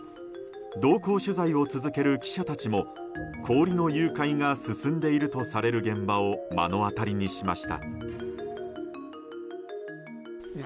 同行取材を続ける記者たちも氷の融解が進んでいるとされる現場を目の当たりにしました。